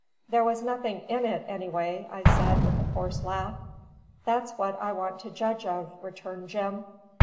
"There was nothing IN it, anyway," I said, with a forced laugh. "That's what I want to judge of," returned Jim.